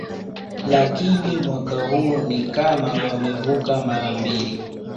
Lakini mwaka huu ni kama wamevuka mara mbili